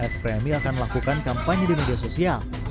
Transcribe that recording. fpmi akan melakukan kampanye di media sosial